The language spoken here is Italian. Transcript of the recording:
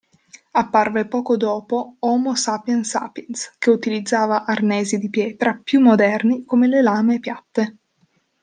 Apparve poco dopo Homo Sapiens Sapiens che utilizzava arnesi di pietra più moderni come le lame piatte.